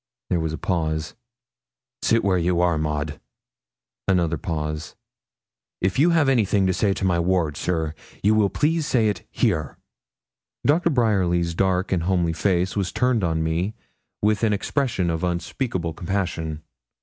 There was a pause. 'Sit where you are, Maud.' Another pause. 'If you have anything to say to my ward, sir, you will please to say it here.' Doctor Bryerly's dark and homely face was turned on me with an expression of unspeakable compassion.